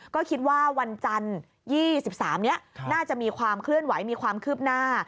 ก็คิดว่าวันจันทร์๒๓นี้น่าจะมีความเคลื่อนไหวมีความคืบหน้า